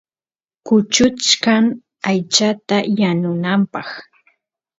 kuchuchkan aychata yanunapaq